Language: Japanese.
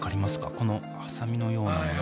このハサミのようなもの